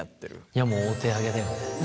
いやもうお手上げだよね。